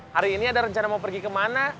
hari ini ada rencana mau pergi kemana